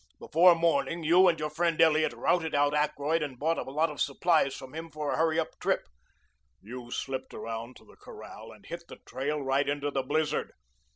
Before morning you and your friend Elliot routed out Ackroyd and bought a lot of supplies from him for a hurry up trip. You slipped around to the corral and hit the trail right into the blizzard.